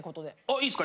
いいすか？